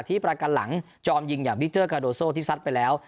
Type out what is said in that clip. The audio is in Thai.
ประกันหลังจอมยิงอย่างบิ๊กเจอร์กาโดโซ่ที่ซัดไปแล้ว